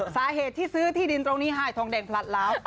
สาเหตุที่ซื้อที่ดินตรงนี้หายทองแดงพลัดล้าว